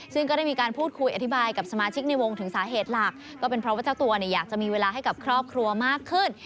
ซึ่งก็ได้มีการพูดคุยอธิบายกับสมาชิกในวงถึงสาเหตุหลักก็เป็นเพราะว่าเจ้าตัวเนี่ยอยากจะมีเวลาให้กับครอบครัวมากขึ้น